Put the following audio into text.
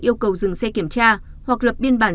yêu cầu dừng xe kiểm tra hoặc lập biên bản